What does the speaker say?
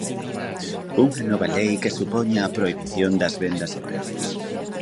Unha nova lei que supoña a prohibición das vendas a perdas.